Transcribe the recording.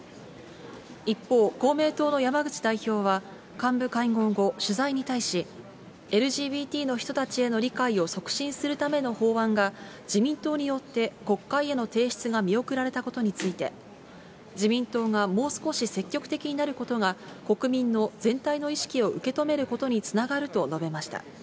一方、公明党の山口代表は幹部会合後、取材に対し、ＬＧＢＴの人たちへの理解を促進するための法案が、自民党によって国会への提出が見送られたことについて、自民党がもう少し積極的になることが、国民の全体の意識を受け止めることにつながると述べました。